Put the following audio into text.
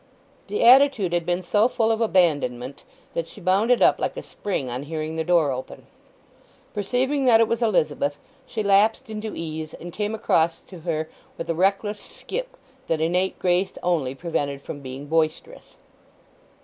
The attitude had been so full of abandonment that she bounded up like a spring on hearing the door open. Perceiving that it was Elizabeth she lapsed into ease, and came across to her with a reckless skip that innate grace only prevented from being boisterous.